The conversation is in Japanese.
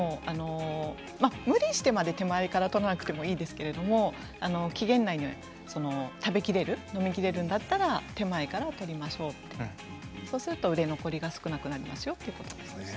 無理して手前から取らなくてもいいですけど期限内に食べきれる飲みきれるんだったら手前から取りましょうそうすると売れ残りが少なくなりますよということです。